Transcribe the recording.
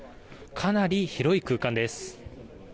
かなり広い空間です。